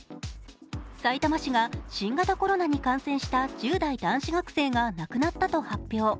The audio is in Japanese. さいたま市が新型コロナに感染した１０代男子学生が亡くなったと発表。